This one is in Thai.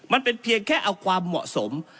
มันเป็นเพียงแค่เอาความเหมาะสม